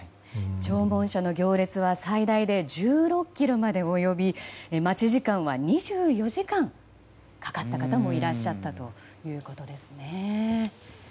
弔問者の行列は最大で１６ｋｍまで及び待ち時間は２４時間かかった方もいらっしゃったということです。